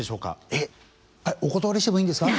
えっお断りしてもいいんですか？